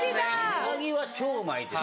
うなぎは超うまいです。